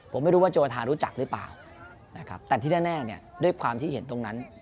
ผมไม่รู้ว่าโจทานรู้จักหรือเปล่านะครับแต่ที่แน่เนี่ยด้วยความที่เห็นตรงนั้น